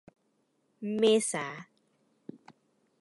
เมษา